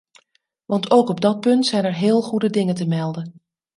Want ook op dat punt zijn er heel goede dingen te melden.